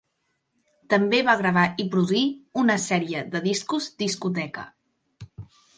També va gravar i produir una sèrie de discos discoteca.